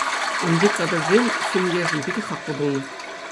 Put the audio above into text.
Унти кадрсем ҫемьешӗн питӗ хаклӑ пулнӑ.